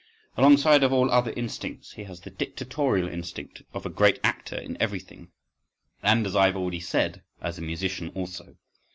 —Alongside of all other instincts he had the dictatorial instinct of a great actor in everything and, as I have already said, as a musician also.